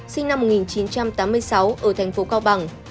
sinh năm một nghìn chín trăm tám mươi sáu ở tp cao bằng